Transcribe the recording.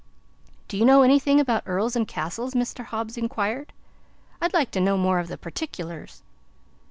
"Do you know anything about earls and castles?" Mr. Hobbs inquired. "I'd like to know more of the particklars."